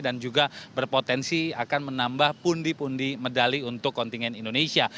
dan juga berpotensi akan menambah pundi pundi medali untuk kontingen indonesia